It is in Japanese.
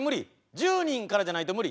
１０人からじゃないと無理？